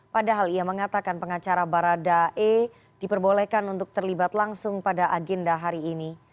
padahal ia mengatakan pengacara baradae diperbolehkan untuk terlibat langsung pada agenda hari ini